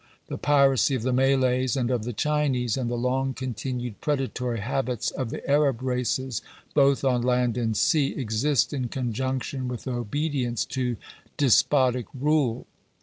The piracy of the Malays, and of the Chinese, and the long continued predatory habits of the Arab races, both on land and sea, exist in conjunction with obedience to despotic rule.